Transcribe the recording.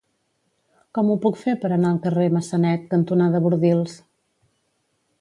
Com ho puc fer per anar al carrer Massanet cantonada Bordils?